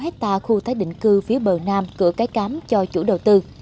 hai hectare khu tái định cư phía bờ nam cửa cái cám cho chủ đầu tư